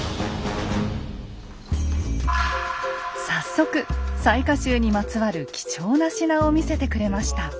早速雑賀衆にまつわる貴重な品を見せてくれました。